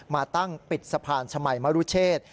มาตั้งปิดสะพานชมัยมรุเชษ